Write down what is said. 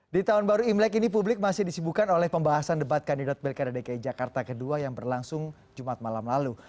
di tahun baru imlek ini publik masih disibukan oleh pembahasan debat kandidat belkara dki jakarta kedua yang berlangsung jumat malam lalu